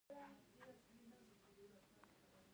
په افغانستان کې د جلګه تاریخ اوږد دی.